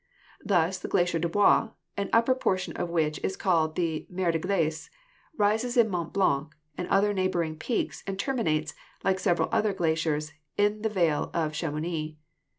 Thus the Glacier des Bois, an upper portion of which is called the Mer de Glace, rises in Mont Blanc and other neighboring peaks and terminates, like several other glaciers, in the vale of Chamouni.